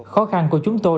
khó khăn của chúng tôi